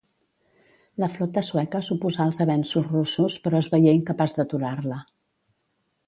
La flota sueca s'oposà als avenços russos però es veié incapaç d'aturar-la.